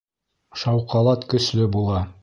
Шауҡалат көслө була